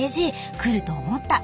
来ると思った。